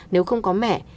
nếu không có mẹ